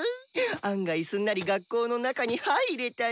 案外すんなり学校の中にはいれたし。